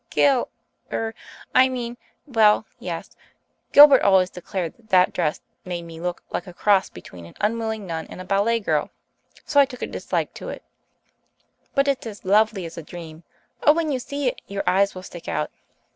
Gil er I mean well, yes, Gilbert always declared that dress made me look like a cross between an unwilling nun and a ballet girl, so I took a dislike to it. But it's as lovely as a dream. Oh, when you see it your eyes will stick out.